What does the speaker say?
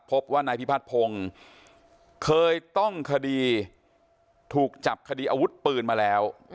พบว่านายพิพัฒน์พงศ์เคยต้องคดีถูกจับคดีอาวุธปืนมาแล้ว